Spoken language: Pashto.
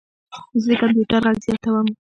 زه د کمپیوټر غږ زیاتوم.